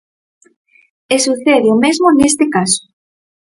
E sucede o mesmo neste caso.